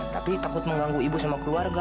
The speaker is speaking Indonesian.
tapi takut mengganggu ibu sama keluarga